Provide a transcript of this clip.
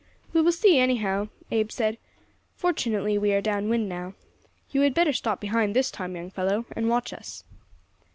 "We will see, anyhow," Abe said; "fortunately we are down wind now. You had better stop behind this time, young fellow, and watch us."